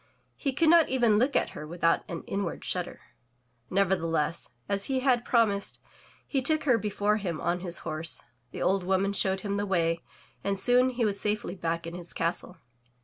He could not even look at her without an inward shudder. Nevertheless, as he had promised, he took her before him on his horse, the old woman showed him the way, and soon he was safely back in his castle.